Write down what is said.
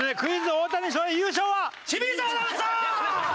大谷翔平優勝は清水アナウンサー！